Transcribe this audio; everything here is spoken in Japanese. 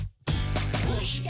「どうして？